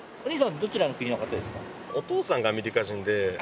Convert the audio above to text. どちらの国の方ですか？